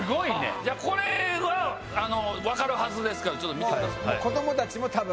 これは分かるはずですからちょっと見てください。